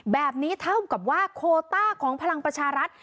แบบนี้เท่ากับว่าโคต้าของพลังประชารัฐ